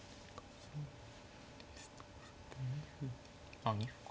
あ２歩か。